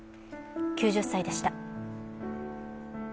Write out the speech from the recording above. ９０歳でした。